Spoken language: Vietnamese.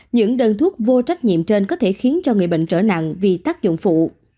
những đơn thuốc vô trách nhiệm trên có thể khiến cho người bệnh trở nặng vì tác dụng phụ